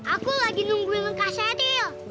aku lagi nungguin kasih etil